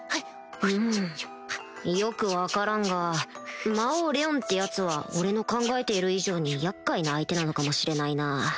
うんよく分からんが魔王レオンってヤツは俺の考えている以上に厄介な相手なのかもしれないな